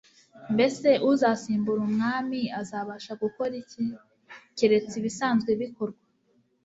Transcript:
mbese uzasimbura umwami azabasha gukora iki? keretse ibisanzwe bikorwa